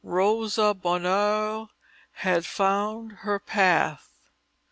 Rosa Bonheur had found her path.